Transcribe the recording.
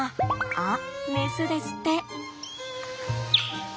あメスですって。